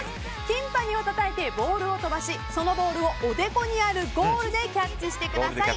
ティンパニをたたいてボールを飛ばしそのボールをおでこにあるゴールでキャッチしてください。